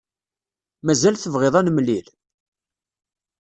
Mazal tebɣiḍ ad nemlil?